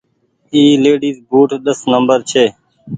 اي ليڊيز بوٽ ڏس نمبر ڇي۔